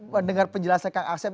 mendengar penjelasan kak asep